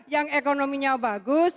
yang ekonominya bagus